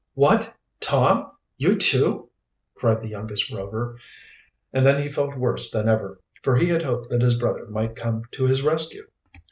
"What, Tom! you too?" cried the youngest Rover. And then he felt worse than ever, for he had hoped that his brother might come to his rescue.